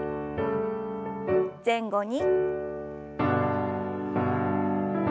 前後に。